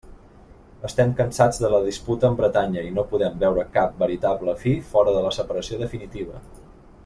Estem cansats de la disputa amb Bretanya, i no podem veure cap veritable fi fora de la separació definitiva.